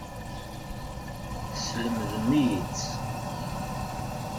Teslemdem-iyi-tt.